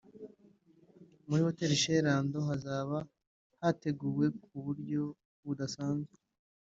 muri Hotel Chez Lando hazaba hateguye kuburyo budasanzwe